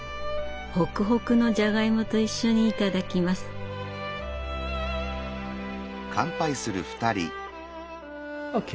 ホクホクのじゃがいもと一緒に頂きます。ＯＫ。